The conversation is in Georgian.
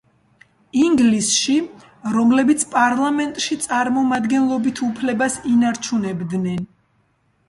ინგლისში, რომლებიც პარლამენტში წარმომადგენლობით უფლებას ინარჩუნებდნენ.